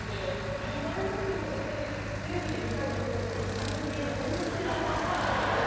呼ばれなくても絶対テレビで見たいなと思ってたのをスタジオで見られるのは本当に私はスゴくうれしいです。